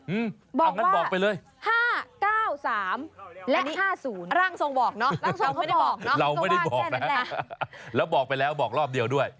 เอาอย่างนั้นบอกไปเลยอันนี้ร่างทรงบอกเนอะเราก็ว่าแค่นั้นแหละแล้วบอกไปแล้วบอกรอบเดียวด้วย